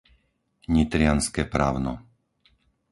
Nitrianske Pravno